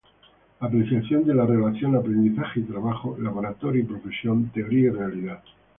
Apreciación de la relación aprendizaje y trabajo, laboratorio y profesión, teoría y realidad.